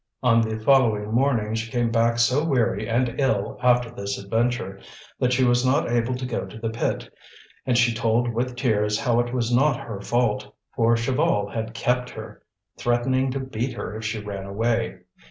On the following morning she came back so weary and ill after this adventure that she was not able to go to the pit; and she told with tears how it was not her fault, for Chaval had kept her, threatening to beat her if she ran away.